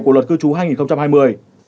của luật cư trú hai nghìn hai mươi